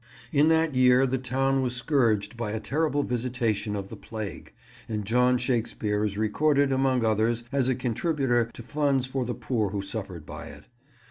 In that year the town was scourged by a terrible visitation of the plague, and John Shakespeare is recorded, among others, as a contributor to funds for the poor who suffered by it.